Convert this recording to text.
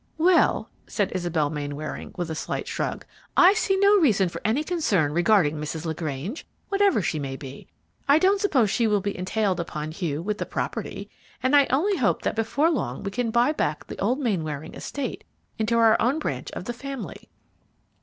"Well," said Isabel Mainwaring, with a slight shrug, "I see no reason for any concern regarding Mrs. LaGrange, whatever she may be. I don't suppose she will be entailed upon Hugh with the property; and I only hope that before long we can buy back the old Mainwaring estate into our own branch of the family."